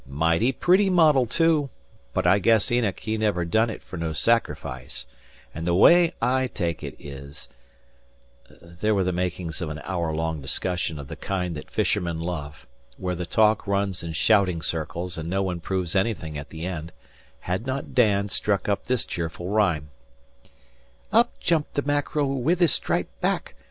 Mighty pretty model, too, but I guess Enoch he never done it fer no sacrifice; an' the way I take it is " There were the makings of an hour long discussion of the kind that fishermen love, where the talk runs in shouting circles and no one proves anything at the end, had not Dan struck up this cheerful rhyme: "Up jumped the mackerel with his stripe'd back.